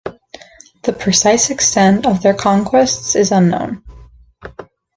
The precise extent of their conquests is unknown.